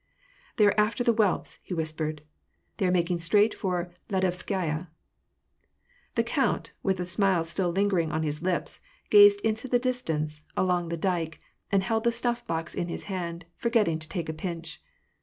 " They are after the whelps !" he whispered. " They are making straight for Lyadovskaya," The count, with the smile still lingering on his lips, gazed into the distance, along the dike, and held the snuff box in his hand, forgetting to take a pinch.